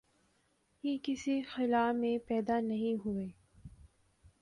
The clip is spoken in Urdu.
یہ کسی خلا میں پیدا نہیں ہوئے۔